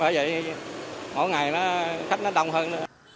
vậy vậy mỗi ngày khách nó đông hơn